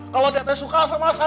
kalau dia sudah suka sama saya